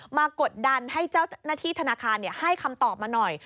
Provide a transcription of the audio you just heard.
กดดันให้เจ้าหน้าที่ธนาคารให้คำตอบมาหน่อย